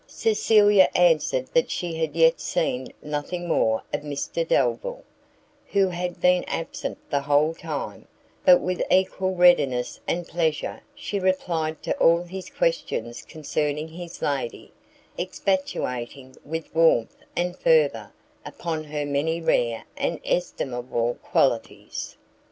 Cecilia answered that she had yet seen nothing more of Mr Delvile, who had been absent the whole time, but with equal readiness and pleasure she replied to all his questions concerning his lady, expatiating with warmth and fervour upon her many rare and estimable qualities.